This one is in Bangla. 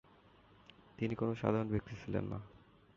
তিনি কোন সাধারণ ব্যক্তি ছিলেন না।